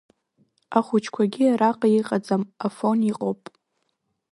Ахәыҷқәагьы араҟа иҟаӡам, Афон иҟоуп.